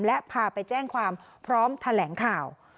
และพาไปแจ้งความพร้อมแถลงข่าว